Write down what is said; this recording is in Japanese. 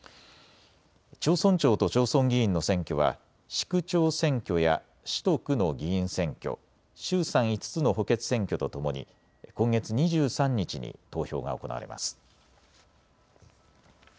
町村長と町村議員の選挙は市区長選挙や市と区の議員選挙、衆参５つの補欠選挙とともに今月２３日に投票が行われます。